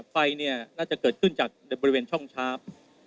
ไฟเนี่ยน่าจะเกิดขึ้นจากบริเวณช่องชาร์ฟ